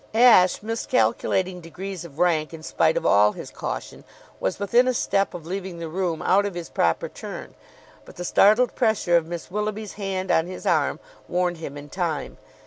Ashe, miscalculating degrees of rank in spite of all his caution, was within a step of leaving the room out of his proper turn; but the startled pressure of Miss Willoughby's hand on his arm warned him in time.